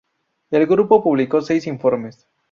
El grupo publicó seis informes.